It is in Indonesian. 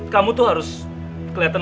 kamu tuh harus keliatan